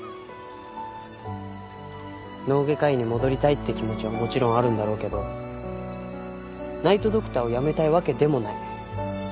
脳外科医に戻りたいって気持ちはもちろんあるんだろうけどナイト・ドクターを辞めたいわけでもない。